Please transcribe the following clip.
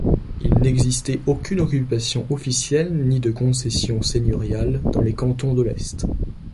Il n'existait aucune occupation officielle ni de concession seigneuriale dans les Cantons de l'Est.